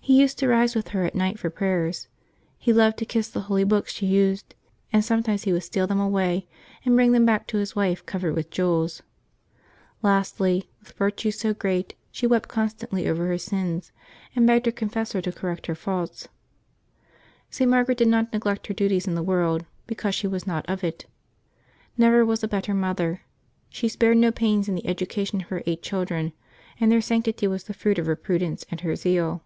He used to rise with her at night for prayer; he loved to kiss the holy books she used, and sometimes he would steal them away, and bring them ba<3k to his wife covered with jewels. Lastly, with virtues so great, she wept constantly over her sins, and begged her confessor to correct her faults. St. Margaret did not neglect her duties in the world because she was not of it. Never was a better mother. She spared no pains in the education of her eight children, and their sanctity was the fruit of her prudence and her zeal.